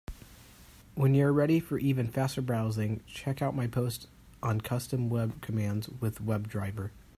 When you are ready for even faster browsing, check out my post on Custom web commands with WebDriver.